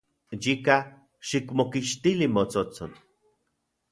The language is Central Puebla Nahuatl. Yika, xikmokixtili motsotsol.